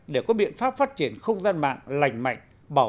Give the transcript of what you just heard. để có biện pháp phát triển không gian mạng lành mạnh